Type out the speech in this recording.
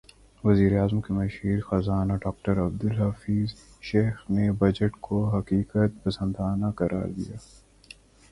وزیراعظم کے مشیر خزانہ ڈاکٹر عبدالحفیظ شیخ نے بجٹ کو حقیقت پسندانہ قرار دیا